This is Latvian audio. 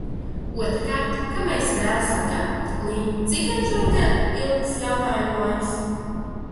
Otrkārt, tā kā mēs vēlu sākām, līdz cikiem šovakar ilgs jautājumu laiks?